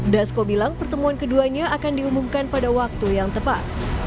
dasko bilang pertemuan keduanya akan diumumkan pada waktu yang tepat